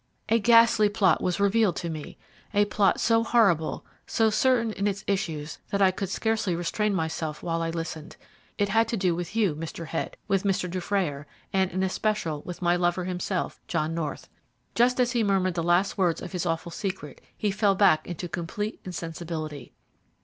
A ghastly plot was revealed to me, a plot so horrible, so certain in its issues, that I could scarcely restrain myself while I listened. It had to do with you, Mr. Head, with Mr. Dufrayer, and in especial with my lover himself, John North. Just as he murmured the last words of his awful secret he fell back into complete insensibility.